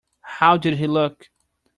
How did he look?